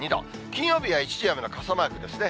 金曜日は一時雨の傘マークですね。